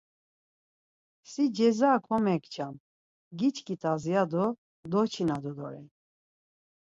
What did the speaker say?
Si ceza komekçam, giçkit̆as ya do doçinadvu doren.